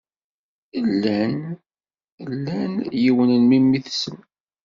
Llan lan yiwen n memmi-tsen.